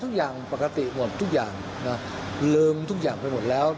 ทุกอย่างปกติหมดทุกอย่างนะลืมทุกอย่างไปหมดแล้ว